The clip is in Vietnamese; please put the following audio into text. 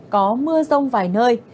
có mưa rông vài nơi